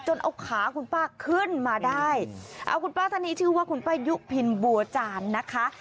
เอาขาคุณป้าขึ้นมาได้เอาคุณป้าท่านนี้ชื่อว่าคุณป้ายุพินบัวจานนะคะ